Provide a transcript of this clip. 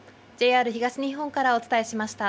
ＪＲ東日本からお伝えしました。